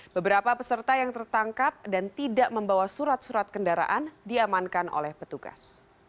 beberapa peserta yang tertangkap dan tidak membawa surat surat kendaraan diamankan oleh petugas